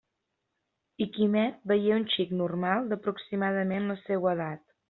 I Quimet veié un xic normal d'aproximadament la seua edat.